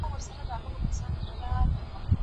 زه کولای سم سبزېجات جمع کړم!!